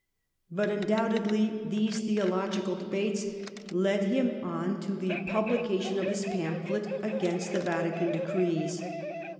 But undoubtedly these theo logical debates led him on to the publication of his pamphlet against the Vatican Decrees.